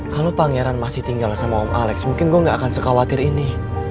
kalau pangeran masih tinggal sama om alex mungkin gue gak akan sekhawatir ini